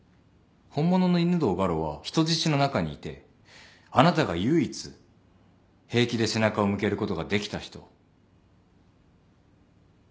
本物の犬堂ガロは人質の中にいてあなたが唯一平気で背中を向けることができた人。